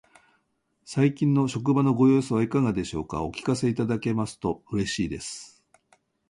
最近の職場のご様子はいかがでしょうか。お聞かせいただけますと嬉しいです。